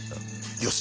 よし。